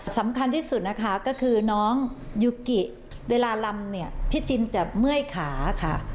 สำคัญที่สุดนะคะก็คือน้องยูกิเวลาลำเนี่ยพี่จินจะเมื่อยขาค่ะ